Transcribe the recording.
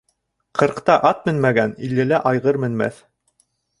Ҡырҡта ат менмәгән, иллелә айғыр менмәҫ.